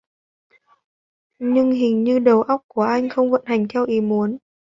Nhưng hình như đầu óc của anh ta không vận hành theo ý muốn